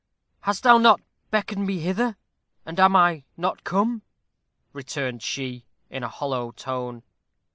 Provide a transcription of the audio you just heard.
"Hast thou not beckoned me hither, and am I not come?" returned she, in a hollow tone.